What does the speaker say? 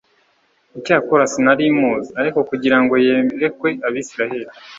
icyakora sinari muzi, ariko kugira ngo yerekwe Abisirayeli;